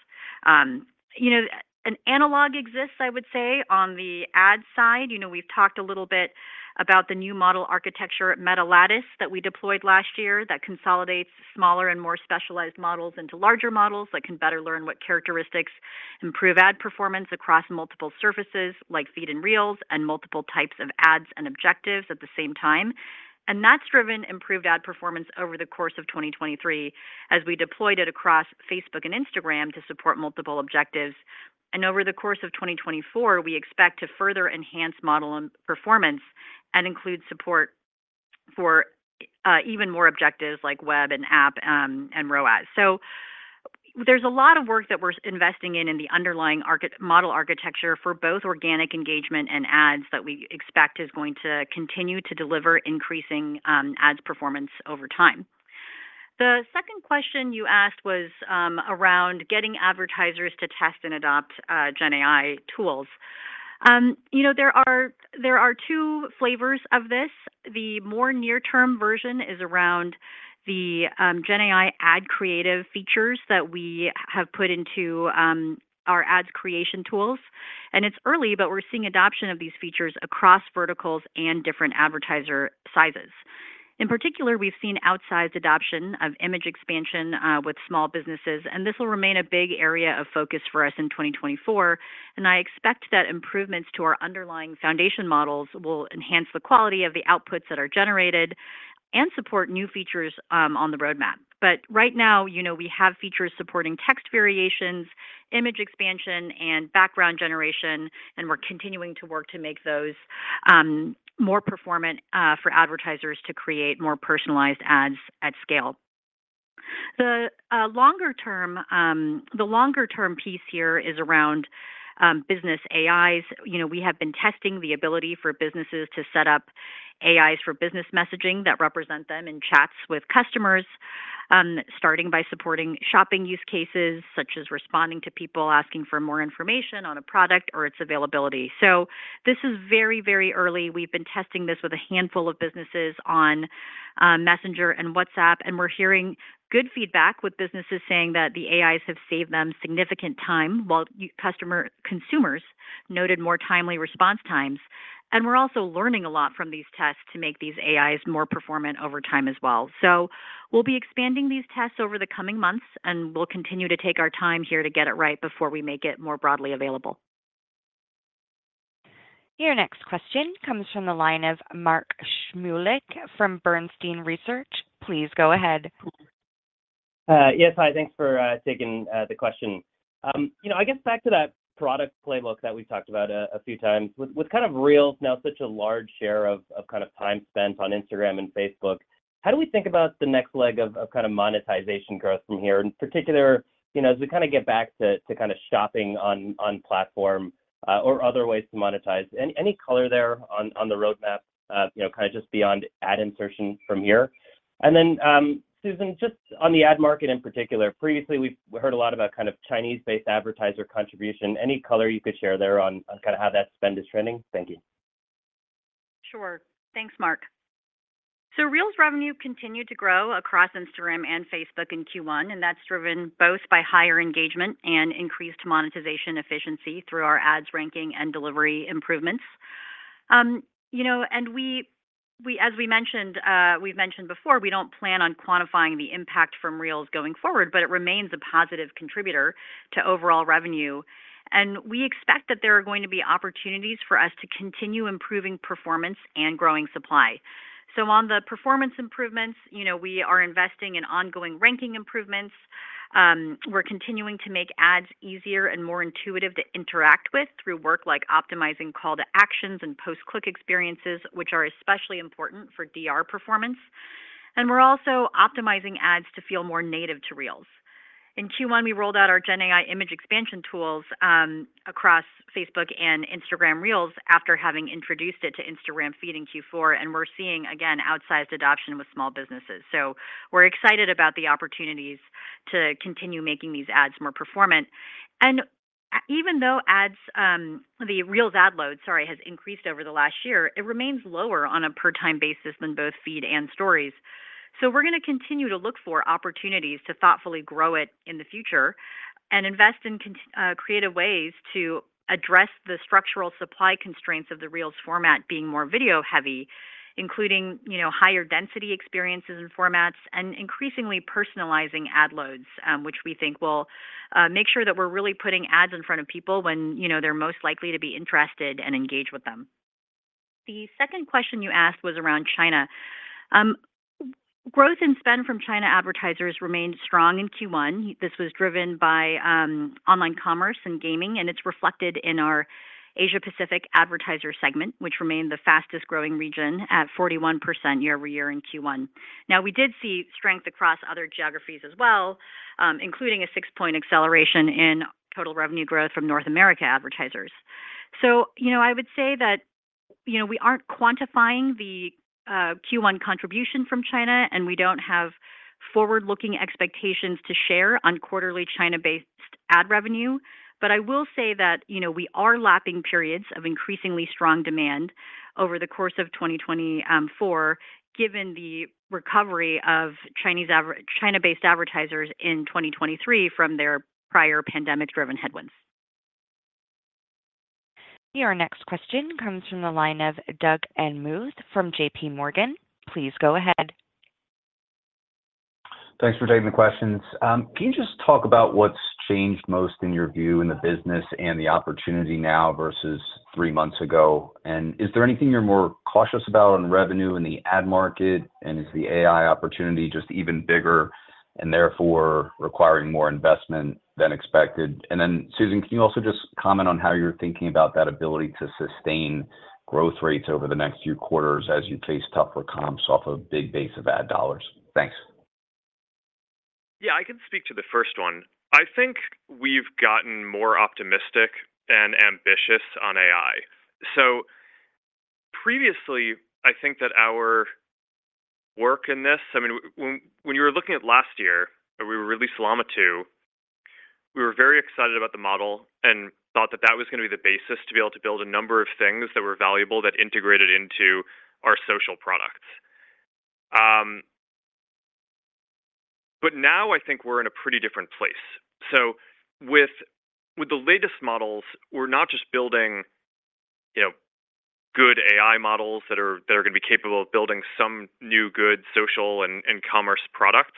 An analog exists, I would say, on the ad side. We've talked a little bit about the new model architecture at Meta Lattice that we deployed last year that consolidates smaller and more specialized models into larger models that can better learn what characteristics improve ad performance across multiple surfaces like Feed and Reels and multiple types of ads and objectives at the same time. That's driven improved ad performance over the course of 2023 as we deployed it across Facebook and Instagram to support multiple objectives. Over the course of 2024, we expect to further enhance model performance and include support for even more objectives like web and app and ROAS. So there's a lot of work that we're investing in in the underlying model architecture for both organic engagement and ads that we expect is going to continue to deliver increasing ads performance over time. The second question you asked was around getting advertisers to test and adopt GenAI tools. There are two flavors of this. The more near-term version is around the GenAI ad creative features that we have put into our ads creation tools. And it's early, but we're seeing adoption of these features across verticals and different advertiser sizes. In particular, we've seen outsized adoption of image expansion with small businesses. And this will remain a big area of focus for us in 2024. I expect that improvements to our underlying foundation models will enhance the quality of the outputs that are generated and support new features on the roadmap. But right now, we have features supporting text variations, image expansion, and background generation. We're continuing to work to make those more performant for advertisers to create more personalized ads at scale. The longer-term piece here is around business AIs. We have been testing the ability for businesses to set up AIs for business messaging that represent them in chats with customers, starting by supporting shopping use cases such as responding to people asking for more information on a product or its availability. So this is very, very early. We've been testing this with a handful of businesses on Messenger and WhatsApp. And we're hearing good feedback with businesses saying that the AIs have saved them significant time while consumers noted more timely response times. And we're also learning a lot from these tests to make these AIs more performant over time as well. So we'll be expanding these tests over the coming months, and we'll continue to take our time here to get it right before we make it more broadly available. Your next question comes from the line of Mark Shmulik from Bernstein Research. Please go ahead. Yes, hi. Thanks for taking the question. I guess back to that product playbook that we've talked about a few times. With kind of Reels now such a large share of kind of time spent on Instagram and Facebook, how do we think about the next leg of kind of monetization growth from here? In particular, as we kind of get back to kind of shopping on platform or other ways to monetize, any color there on the roadmap kind of just beyond ad insertion from here? And then, Susan, just on the ad market in particular, previously, we've heard a lot about kind of Chinese-based advertiser contribution. Any color you could share there on kind of how that spend is trending? Thank you. Sure. Thanks, Mark. So Reels revenue continued to grow across Instagram and Facebook in Q1, and that's driven both by higher engagement and increased monetization efficiency through our ads ranking and delivery improvements. And as we mentioned before, we don't plan on quantifying the impact from Reels going forward, but it remains a positive contributor to overall revenue. And we expect that there are going to be opportunities for us to continue improving performance and growing supply. So on the performance improvements, we are investing in ongoing ranking improvements. We're continuing to make ads easier and more intuitive to interact with through work like optimizing call-to-actions and post-click experiences, which are especially important for DR performance. And we're also optimizing ads to feel more native to Reels. In Q1, we rolled out our GenAI image expansion tools across Facebook and Instagram Reels after having introduced it to Instagram Feed in Q4. And we're seeing, again, outsized adoption with small businesses. So we're excited about the opportunities to continue making these ads more performant. And even though the Reels ad load, sorry, has increased over the last year, it remains lower on a per-time basis than both Feed and Stories. We're going to continue to look for opportunities to thoughtfully grow it in the future and invest in creative ways to address the structural supply constraints of the Reels format being more video-heavy, including higher density experiences and formats, and increasingly personalizing ad loads, which we think will make sure that we're really putting ads in front of people when they're most likely to be interested and engage with them. The second question you asked was around China. Growth and spend from China advertisers remained strong in Q1. This was driven by online commerce and gaming, and it's reflected in our Asia-Pacific advertiser segment, which remained the fastest-growing region at 41% year-over-year in Q1. Now, we did see strength across other geographies as well, including a 6-point acceleration in total revenue growth from North America advertisers. So I would say that we aren't quantifying the Q1 contribution from China, and we don't have forward-looking expectations to share on quarterly China-based ad revenue. But I will say that we are lapping periods of increasingly strong demand over the course of 2024, given the recovery of China-based advertisers in 2023 from their prior pandemic-driven headwinds. Your next question comes from the line of Doug Anmuth from JPMorgan. Please go ahead. Thanks for taking the questions. Can you just talk about what's changed most in your view in the business and the opportunity now versus three months ago? And is there anything you're more cautious about on revenue in the ad market? And is the AI opportunity just even bigger and therefore requiring more investment than expected? And then, Susan, can you also just comment on how you're thinking about that ability to sustain growth rates over the next few quarters as you face tougher comps off a big base of ad dollars? Thanks. Yeah, I can speak to the first one. I think we've gotten more optimistic and ambitious on AI. So previously, I think that our work in this, I mean, when you were looking at last year, when we released Llama 2, we were very excited about the model and thought that that was going to be the basis to be able to build a number of things that were valuable that integrated into our social products. But now, I think we're in a pretty different place. So with the latest models, we're not just building good AI models that are going to be capable of building some new good social and commerce products.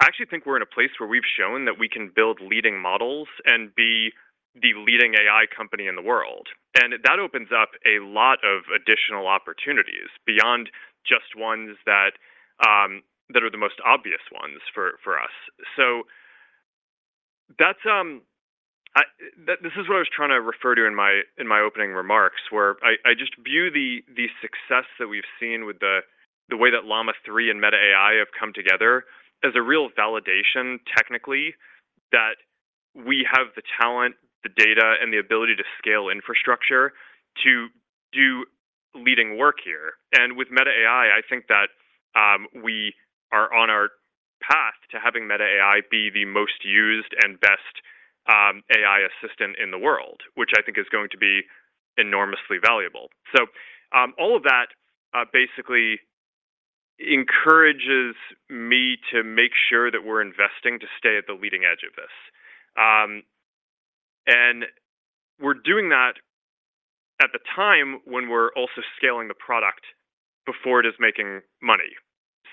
I actually think we're in a place where we've shown that we can build leading models and be the leading AI company in the world. And that opens up a lot of additional opportunities beyond just ones that are the most obvious ones for us. So this is what I was trying to refer to in my opening remarks, where I just view the success that we've seen with the way that Llama 3 and Meta AI have come together as a real validation technically that we have the talent, the data, and the ability to scale infrastructure to do leading work here. And with Meta AI, I think that we are on our path to having Meta AI be the most used and best AI assistant in the world, which I think is going to be enormously valuable. All of that basically encourages me to make sure that we're investing to stay at the leading edge of this. We're doing that at the time when we're also scaling the product before it is making money.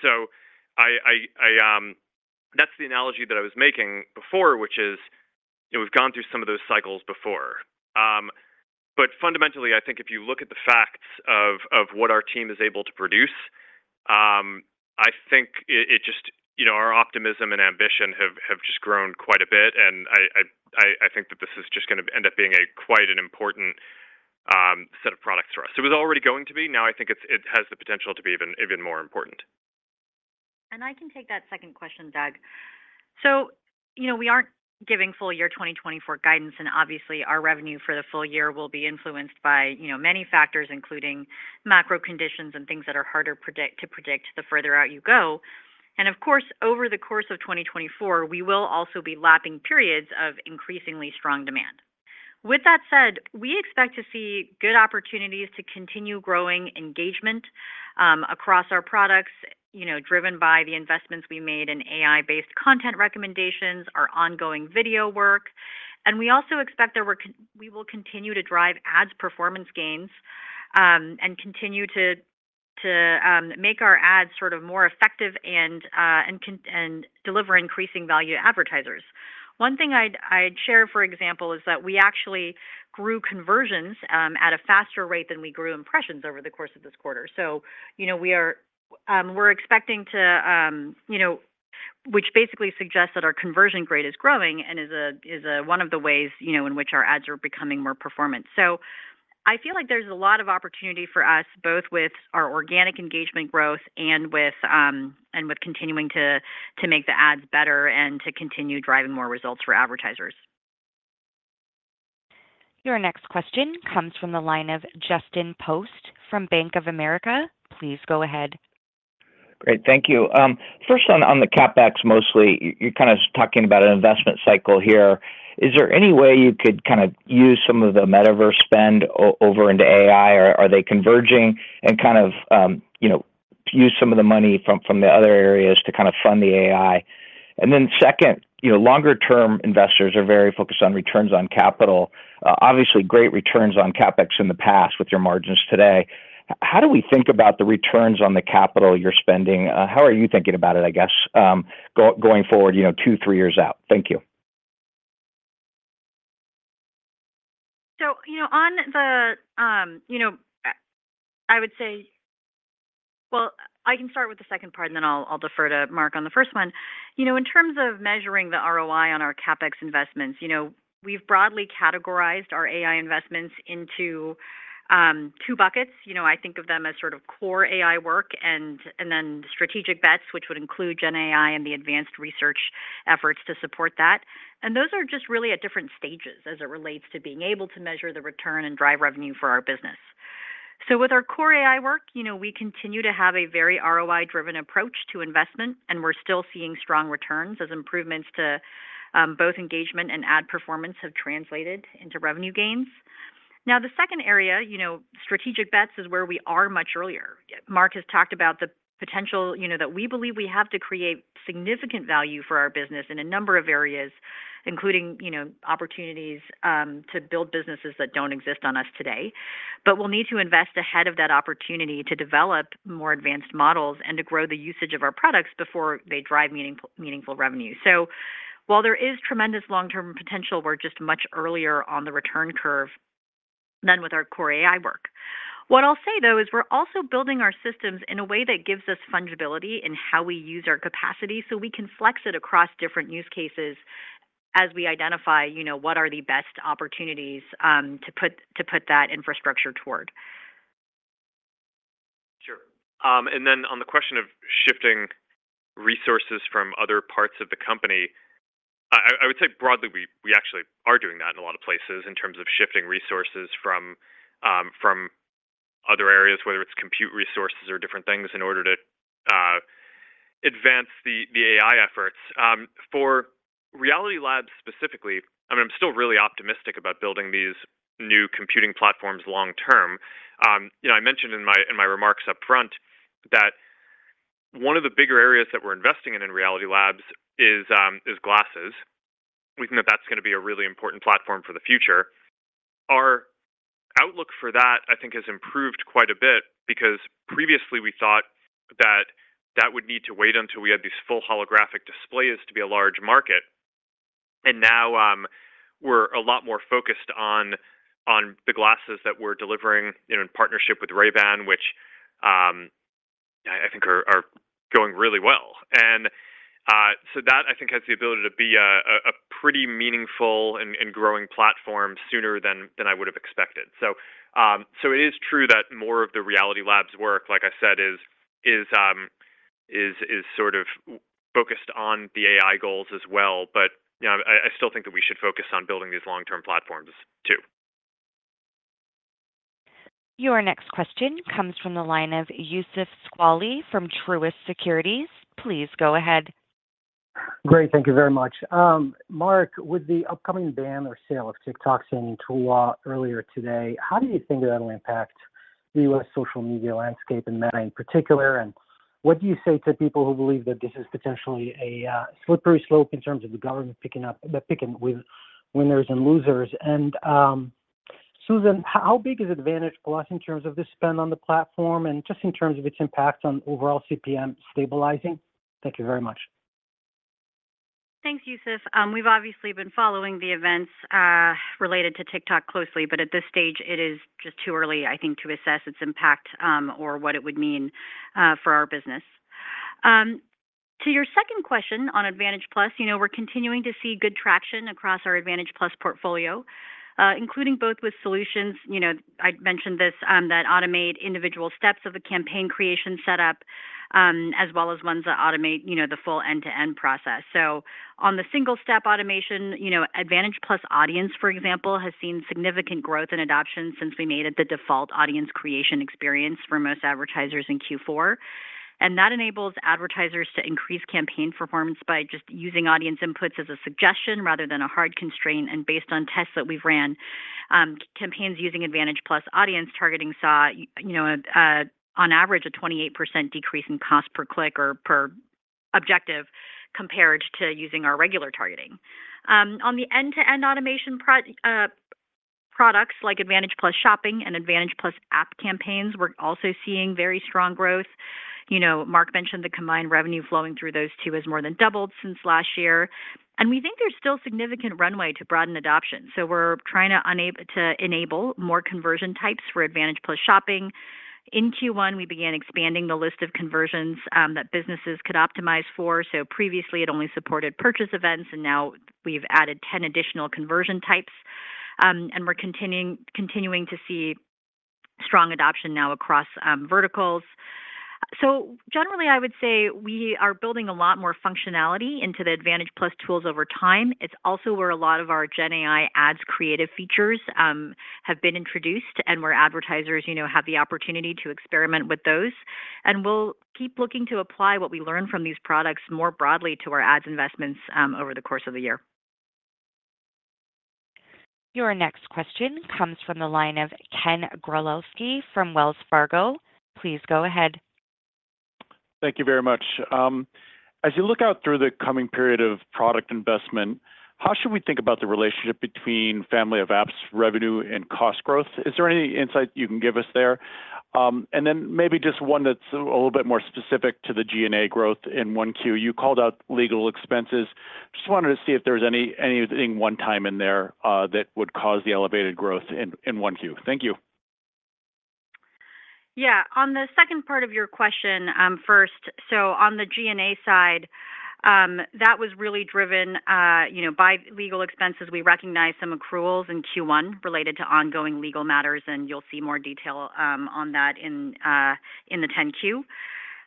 That's the analogy that I was making before, which is we've gone through some of those cycles before. But fundamentally, I think if you look at the facts of what our team is able to produce, I think it just our optimism and ambition have just grown quite a bit. And I think that this is just going to end up being quite an important set of products for us. It was already going to be. Now, I think it has the potential to be even more important. And I can take that second question, Doug. So we aren't giving full year 2024 guidance. And obviously, our revenue for the full year will be influenced by many factors, including macro conditions and things that are harder to predict the further out you go. And of course, over the course of 2024, we will also be lapping periods of increasingly strong demand. With that said, we expect to see good opportunities to continue growing engagement across our products, driven by the investments we made in AI-based content recommendations, our ongoing video work. And we also expect that we will continue to drive ads performance gains and continue to make our ads sort of more effective and deliver increasing value to advertisers. One thing I'd share, for example, is that we actually grew conversions at a faster rate than we grew impressions over the course of this quarter. So we're expecting to which basically suggests that our conversion rate is growing and is one of the ways in which our ads are becoming more performant. So I feel like there's a lot of opportunity for us both with our organic engagement growth and with continuing to make the ads better and to continue driving more results for advertisers. Your next question comes from the line of Justin Post from Bank of America. Please go ahead. Great. Thank you. First, on the CapEx mostly, you're kind of talking about an investment cycle here. Is there any way you could kind of use some of the metaverse spend over into AI? Are they converging and kind of use some of the money from the other areas to kind of fund the AI? And then second, longer-term investors are very focused on returns on capital. Obviously, great returns on CapEx in the past with your margins today. How do we think about the returns on the capital you're spending? How are you thinking about it, I guess, going forward 2, 3 years out? Thank you. So on the I would say well, I can start with the second part, and then I'll defer to Mark on the first one. In terms of measuring the ROI on our CapEx investments, we've broadly categorized our AI investments into two buckets. I think of them as sort of core AI work and then strategic bets, which would include GenAI and the advanced research efforts to support that. Those are just really at different stages as it relates to being able to measure the return and drive revenue for our business. So with our core AI work, we continue to have a very ROI-driven approach to investment, and we're still seeing strong returns as improvements to both engagement and ad performance have translated into revenue gains. Now, the second area, strategic bets, is where we are much earlier. Mark has talked about the potential that we believe we have to create significant value for our business in a number of areas, including opportunities to build businesses that don't exist on us today. But we'll need to invest ahead of that opportunity to develop more advanced models and to grow the usage of our products before they drive meaningful revenue. So while there is tremendous long-term potential, we're just much earlier on the return curve than with our core AI work. What I'll say, though, is we're also building our systems in a way that gives us fungibility in how we use our capacity so we can flex it across different use cases as we identify what are the best opportunities to put that infrastructure toward. Sure. And then on the question of shifting resources from other parts of the company, I would say broadly, we actually are doing that in a lot of places in terms of shifting resources from other areas, whether it's compute resources or different things, in order to advance the AI efforts. For Reality Labs specifically, I mean, I'm still really optimistic about building these new computing platforms long-term. I mentioned in my remarks upfront that one of the bigger areas that we're investing in in Reality Labs is glasses. We think that that's going to be a really important platform for the future. Our outlook for that, I think, has improved quite a bit because previously, we thought that that would need to wait until we had these full holographic displays to be a large market. And now, we're a lot more focused on the glasses that we're delivering in partnership with Ray-Ban, which I think are going really well. And so that, I think, has the ability to be a pretty meaningful and growing platform sooner than I would have expected. So it is true that more of the Reality Labs work, like I said, is sort of focused on the AI goals as well. But I still think that we should focus on building these long-term platforms too. Your next question comes from the line of Youssef Squali from Truist Securities. Please go ahead. Great. Thank you very much. Mark, with the upcoming ban or sale of TikTok signed into law earlier today, how do you think that will impact the U.S. social media landscape and Meta in particular? And what do you say to people who believe that this is potentially a slippery slope in terms of the government picking the winners and losers? And Susan, how big is Advantage+ in terms of the spend on the platform and just in terms of its impact on overall CPM stabilizing? Thank you very much. Thanks, Youssef. We've obviously been following the events related to TikTok closely. But at this stage, it is just too early, I think, to assess its impact or what it would mean for our business. To your second question on Advantage+, we're continuing to see good traction across our Advantage+ portfolio, including both with solutions I'd mentioned this, that automate individual steps of a campaign creation setup, as well as ones that automate the full end-to-end process. So on the single-step automation, Advantage+ Audience, for example, has seen significant growth in adoption since we made it the default audience creation experience for most advertisers in Q4. And that enables advertisers to increase campaign performance by just using audience inputs as a suggestion rather than a hard constraint. And based on tests that we've ran, campaigns using Advantage+ Audience targeting saw, on average, a 28% decrease in cost per click or per objective compared to using our regular targeting. On the end-to-end automation products like Advantage+ Shopping and Advantage+ App Campaigns, we're also seeing very strong growth. Mark mentioned the combined revenue flowing through those two has more than doubled since last year. We think there's still significant runway to broaden adoption. We're trying to enable more conversion types for Advantage+ Shopping. In Q1, we began expanding the list of conversions that businesses could optimize for. Previously, it only supported purchase events. Now, we've added 10 additional conversion types. We're continuing to see strong adoption now across verticals. Generally, I would say we are building a lot more functionality into the Advantage+ tools over time. It's also where a lot of our GenAI ads creative features have been introduced, and where advertisers have the opportunity to experiment with those. We'll keep looking to apply what we learn from these products more broadly to our ads investments over the course of the year. Your next question comes from the line of Ken Gawrelski from Wells Fargo. Please go ahead. Thank you very much. As you look out through the coming period of product investment, how should we think about the relationship between Family of Apps revenue and cost growth? Is there any insight you can give us there? And then maybe just one that's a little bit more specific to the G&A growth in Q1. You called out legal expenses. Just wanted to see if there's anything one-time in there that would cause the elevated growth in Q1. Thank you. Yeah. On the second part of your question first, so on the G&A side, that was really driven by legal expenses. We recognize some accruals in Q1 related to ongoing legal matters. And you'll see more detail on that in the 10-Q.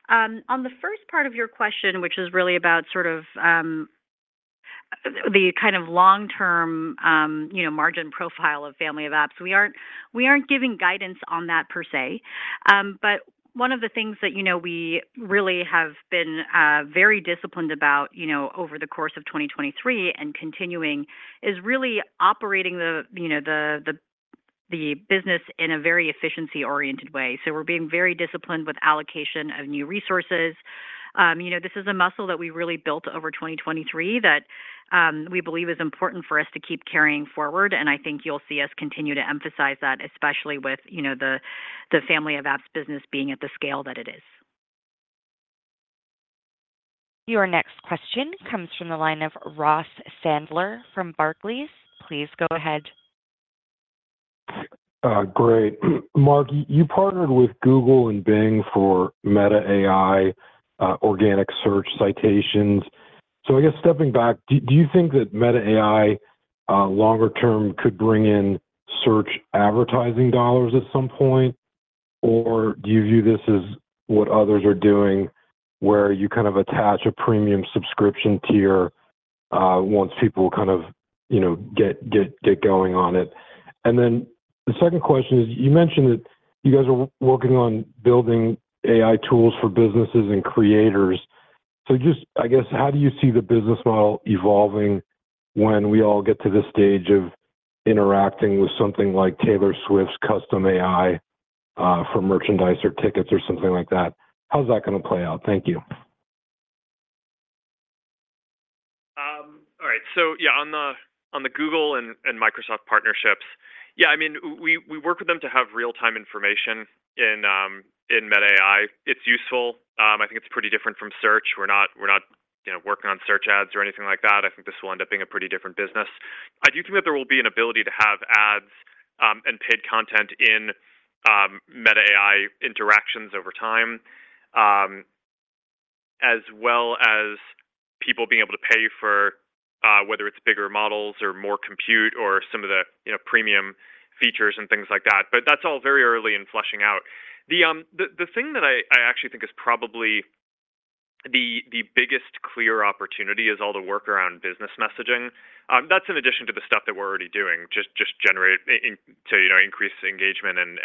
On the first part of your question, which is really about sort of the kind of long-term margin profile of Family of Apps, we aren't giving guidance on that per se. But one of the things that we really have been very disciplined about over the course of 2023 and continuing is really operating the business in a very efficiency-oriented way. So we're being very disciplined with allocation of new resources. This is a muscle that we really built over 2023 that we believe is important for us to keep carrying forward. And I think you'll see us continue to emphasize that, especially with the Family of Apps business being at the scale that it is. Your next question comes from the line of Ross Sandler from Barclays. Please go ahead. Great. Mark, you partnered with Google and Bing for Meta AI organic search citations. So I guess stepping back, do you think that Meta AI longer-term could bring in search advertising dollars at some point? Or do you view this as what others are doing, where you kind of attach a premium subscription tier once people kind of get going on it? And then the second question is, you mentioned that you guys are working on building AI tools for businesses and creators. So just, I guess, how do you see the business model evolving when we all get to this stage of interacting with something like Taylor Swift's custom AI for merchandise or tickets or something like that? How's that going to play out? Thank you. All right. So yeah, on the Google and Microsoft partnerships, yeah, I mean, we work with them to have real-time information in Meta AI. It's useful. I think it's pretty different from search. We're not working on search ads or anything like that. I think this will end up being a pretty different business. I do think that there will be an ability to have ads and paid content in Meta AI interactions over time, as well as people being able to pay for whether it's bigger models or more compute or some of the premium features and things like that. But that's all very early in flushing out. The thing that I actually think is probably the biggest clear opportunity is all the work around business messaging. That's in addition to the stuff that we're already doing, just to increase engagement and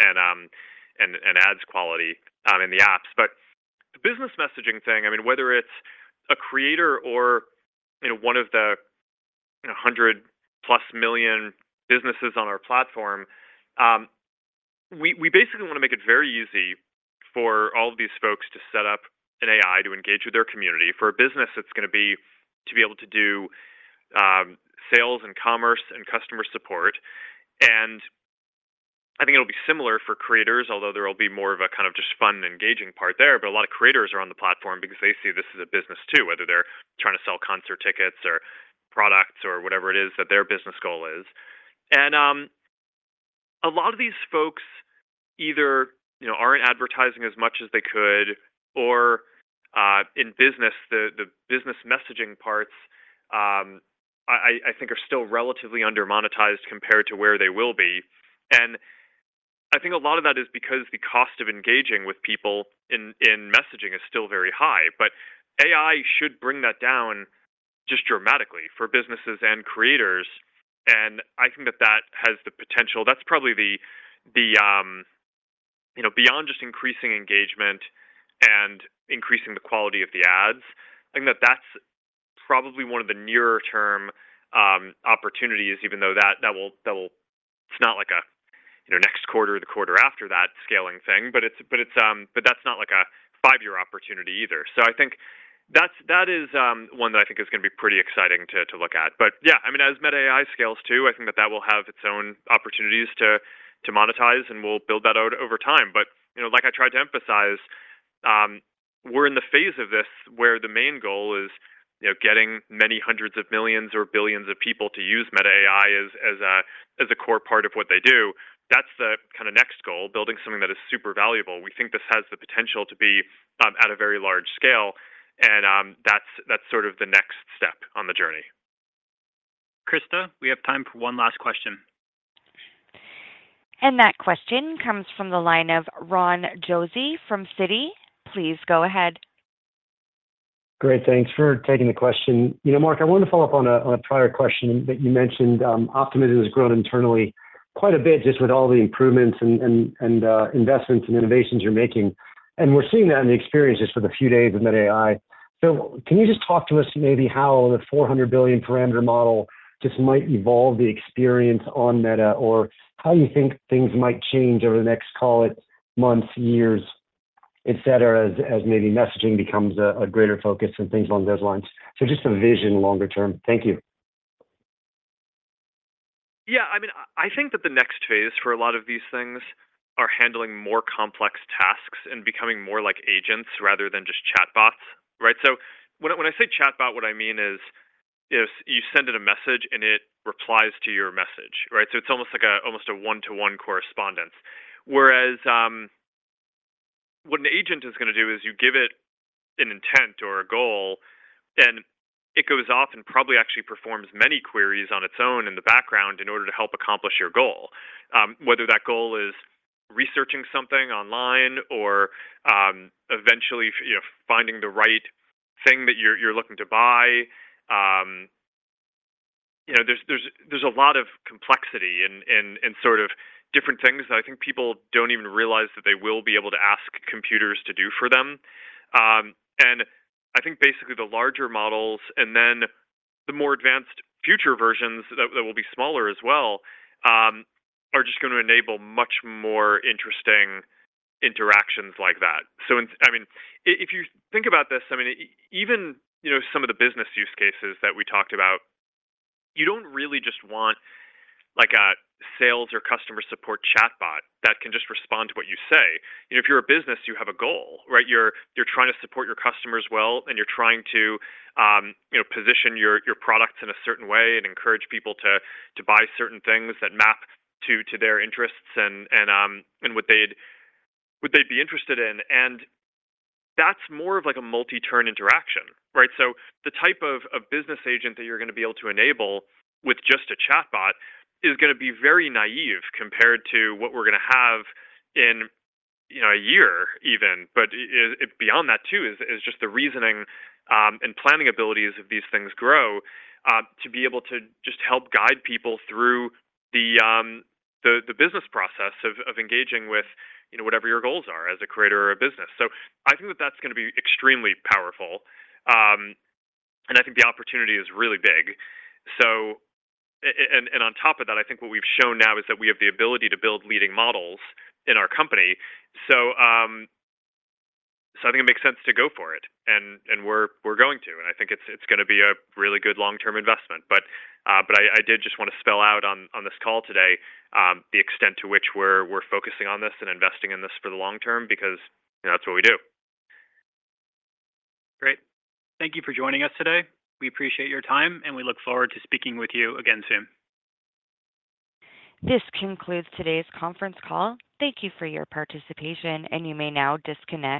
ads quality in the apps. The business messaging thing, I mean, whether it's a creator or one of the 100+ million businesses on our platform, we basically want to make it very easy for all of these folks to set up an AI to engage with their community. For a business, it's going to be to be able to do sales and commerce and customer support. I think it'll be similar for creators, although there'll be more of a kind of just fun and engaging part there. A lot of creators are on the platform because they see this as a business too, whether they're trying to sell concert tickets or products or whatever it is that their business goal is. A lot of these folks either aren't advertising as much as they could, or in business, the business messaging parts, I think, are still relatively undermonetized compared to where they will be. And I think a lot of that is because the cost of engaging with people in messaging is still very high. But AI should bring that down just dramatically for businesses and creators. And I think that that has the potential that's probably the beyond just increasing engagement and increasing the quality of the ads, I think that that's probably one of the nearer-term opportunities, even though that will it's not like a next quarter, the quarter after that scaling thing. But that's not like a five-year opportunity either. So I think that is one that I think is going to be pretty exciting to look at. But yeah, I mean, as Meta AI scales too, I think that that will have its own opportunities to monetize. And we'll build that out over time. But like I tried to emphasize, we're in the phase of this where the main goal is getting many hundreds of millions or billions of people to use Meta AI as a core part of what they do. That's the kind of next goal, building something that is super valuable. We think this has the potential to be at a very large scale. And that's sort of the next step on the journey. Krista, we have time for one last question. And that question comes from the line of Ron Josey from Citi. Please go ahead. Great. Thanks for taking the question. Mark, I wanted to follow up on a prior question that you mentioned. Optimism has grown internally quite a bit just with all the improvements and investments and innovations you're making. And we're seeing that in the experience just for the few days of Meta AI. So can you just talk to us maybe how the 400 billion parameter model just might evolve the experience on Meta or how you think things might change over the next, call it, months, years, etc., as maybe messaging becomes a greater focus and things along those lines? So just a vision longer-term. Thank you. Yeah. I mean, I think that the next phase for a lot of these things are handling more complex tasks and becoming more like agents rather than just chatbots, right? So when I say chatbot, what I mean is you send it a message, and it replies to your message, right? So it's almost like a one-to-one correspondence. Whereas what an agent is going to do is you give it an intent or a goal, and it goes off and probably actually performs many queries on its own in the background in order to help accomplish your goal, whether that goal is researching something online or eventually finding the right thing that you're looking to buy. There's a lot of complexity in sort of different things that I think people don't even realize that they will be able to ask computers to do for them. I think basically, the larger models and then the more advanced future versions that will be smaller as well are just going to enable much more interesting interactions like that. So I mean, if you think about this, I mean, even some of the business use cases that we talked about, you don't really just want a sales or customer support chatbot that can just respond to what you say. If you're a business, you have a goal, right? You're trying to support your customers well, and you're trying to position your products in a certain way and encourage people to buy certain things that map to their interests and what they'd be interested in. And that's more of like a multi-turn interaction, right? So the type of business agent that you're going to be able to enable with just a chatbot is going to be very naive compared to what we're going to have in a year even. But beyond that too, is just the reasoning and planning abilities of these things grow to be able to just help guide people through the business process of engaging with whatever your goals are as a creator or a business. So I think that that's going to be extremely powerful. And I think the opportunity is really big. And on top of that, I think what we've shown now is that we have the ability to build leading models in our company. So I think it makes sense to go for it. And we're going to. And I think it's going to be a really good long-term investment. But I did just want to spell out on this call today the extent to which we're focusing on this and investing in this for the long term because that's what we do. Great. Thank you for joining us today. We appreciate your time. We look forward to speaking with you again soon. This concludes today's conference call. Thank you for your participation. You may now disconnect.